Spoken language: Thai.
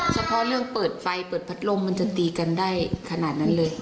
เฉพาะเรื่องเปิดไฟเปิดพัดลมมันจะตีกันได้ขนาดนั้นเลย